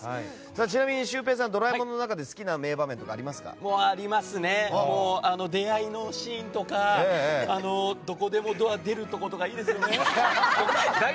ちなみにシュウペイさん「ドラえもん」の中で出会いのシーンとかどこでもドアから出るところとかいいですよね。